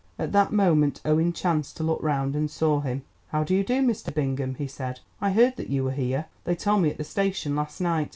At that moment Owen chanced to look round and saw him. "How do you do, Mr. Bingham?" he said. "I heard that you were here. They told me at the station last night.